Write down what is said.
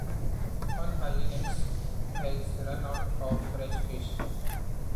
Unhygienix has run out of fresh fish.